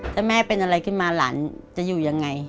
ถ้าแม่เป็นอะไรขึ้นมาหลานจะอยู่ยังไง